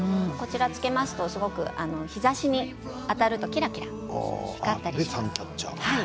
つけますと、すごく日ざしに当たるとキラキラ光ったりします。